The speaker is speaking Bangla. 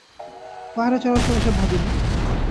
পাহাড়ে চড়ার সময় এসব ভাবিনি।